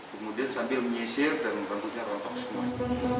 kemudian sambil menyisir dan rambutnya rontok semuanya